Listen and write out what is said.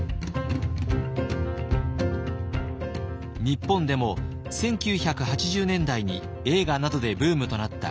日本でも１９８０年代に映画などでブームとなったキョンシー。